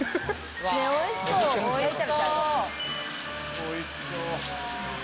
おいしそう！